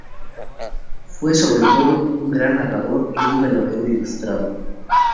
Fue sobre todo un gran narrador y un verdadero ilustrado.